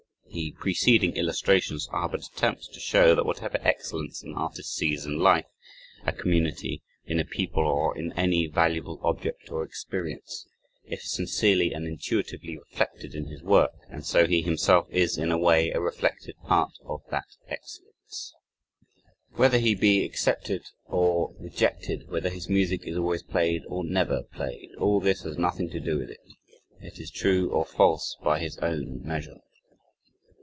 The preceding illustrations are but attempts to show that whatever excellence an artist sees in life, a community, in a people, or in any valuable object or experience, if sincerely and intuitively reflected in his work, and so he himself, is, in a way, a reflected part of that excellence. Whether he be accepted or rejected, whether his music is always played, or never played all this has nothing to do with it it is true or false by his own measure.